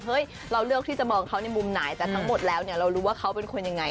เราเลือกที่จะมองเขาในมุมไหนแต่ทั้งหมดแล้วเนี่ยเรารู้ว่าเขาเป็นคนยังไง